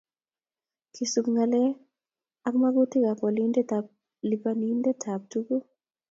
Kisub ngalalet ak mgatutikab olindet eng lipanetab tuguk